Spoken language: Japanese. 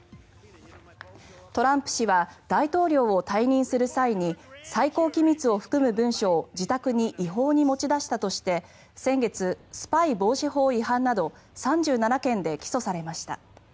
トランプ氏は大統領を退任する際に最高機密を含む文書を自宅に違法に持ち出したとして先月、スパイ防止法違反など３７件で起訴されました。